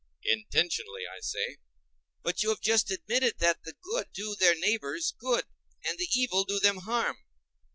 Intentionally, I say. But you have just admitted that the good do their neighbors good, and the evil do them evil.